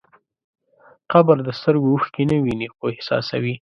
قبر د سترګو اوښکې نه ویني، خو احساسوي.